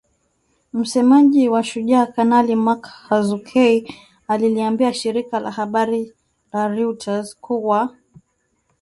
Msemaji wa Shujaa Kanali Mak Hazukay aliliambia shirika la habari la reuters kuwa